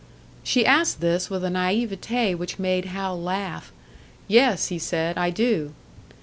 She asked this with a naïveté which made Hal laugh. "Yes," he said, "I do."